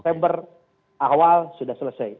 september awal sudah selesai